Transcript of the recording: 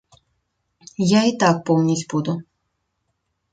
Я і так помніць буду.